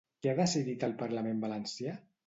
Què ha decidit el parlament valencià?